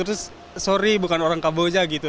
terus sorry bukan orang kamboja gitu